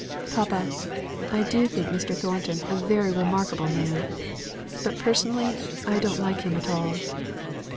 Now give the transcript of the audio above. "Papa, I do think Mr. Thornton a very remarkable man; but personally I don't like him at all."